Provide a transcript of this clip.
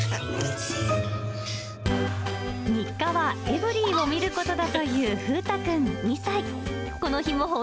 日課はエブリィを見ることだというふうたくん２歳。